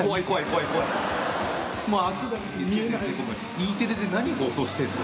Ｅテレで何放送してんの？